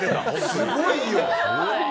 すごいよ。